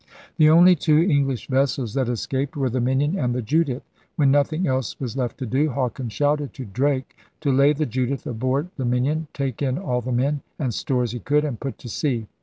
The only two English vessels that escaped were the Minion and the Judith. When nothing else was left to do, Hawkins shouted to Drake to lay the Judith aboard the Minion, take in all the men and stores he could, and put to sea.